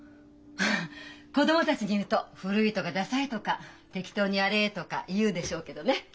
子供たちに言うと古いとかダサいとか適当にやれとか言うでしょうけどね。